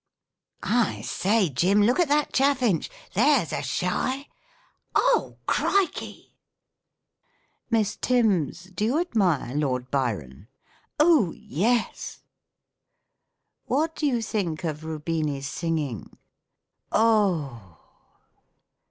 I say, Jim, look at that chaffinch : there's a shy !"« Oh, Crikey !"" Miss Timms, do you admire Lord Byron ?"" Oh, yes !"" What do you think of Rubini's singing ?"" Oh